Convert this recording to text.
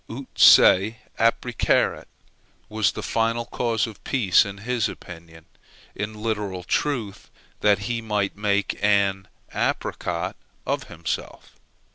Ut se apricaret was the final cause of peace in his opinion; in literal truth, that he might make an apricot of himself.